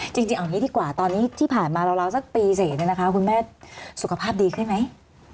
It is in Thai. จริงเอาอย่างนี้ดีกว่าตอนนี้ที่ผ่านมาราวสักปีเสร็จเนี่ยนะคะคุณแม่สุขภาพดีขึ้นไหม